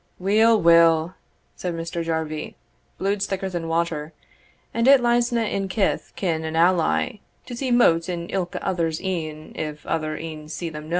"Weel, weel," said Mr. Jarvie, "bluid's thicker than water; and it liesna in kith, kin, and ally, to see motes in ilka other's een if other een see them no.